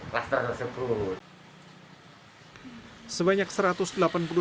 karena adanya klaster tersebut